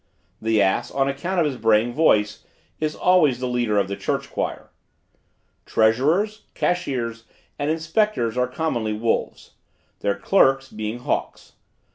The ass, on account of his braying voice, is always the leader of the church choir. Treasurers, cashiers and inspectors are commonly wolves; their clerks, being hawks.